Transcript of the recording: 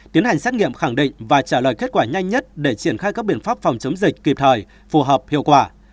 tiến hành xét nghiệm khẳng định và trả lời kết quả nhanh nhất để triển khai các biện pháp phòng chống dịch kịp thời phù hợp hiệu quả